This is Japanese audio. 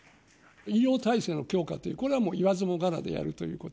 医療体制の強化という、これはもう言わずもがなでやるということ。